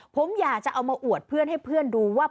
ผมอยากจะเอามาอวดเพื่อนให้เพื่อนดูว่า